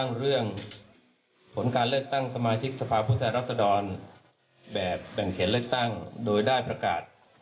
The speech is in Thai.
ตั้งเรื่องผลการเลือกตั้งสมาธิกษภาพุทธรรษฎรแบบแบ่งเขียนเลือกตั้งโดยได้ประกาศ